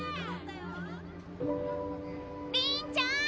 りんちゃん！